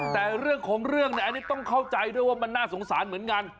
แต่เรื่องของเรื่องเนี่ยอันนี้ต้องเข้าใจด้วยว่ามันน่าสงสารเหมือนกัน